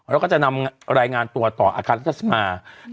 แล้วก็จะนำรายงานตัวต่ออาคารรัฐสภา